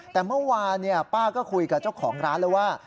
แต่เมื่อวานป้าก็คุยกับเจ้าของร้านแล้วว่า